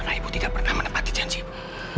karena ibu tidak pernah menepati janji ibu